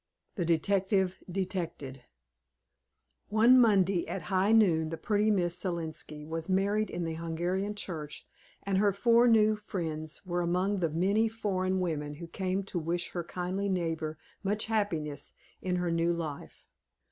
THE DETECTIVE DETECTED One Monday, at high noon, the pretty Miss Selenski was married in the Hungarian church and her four new friends were among the many foreign women who came to wish their kindly neighbor much happiness in her new life.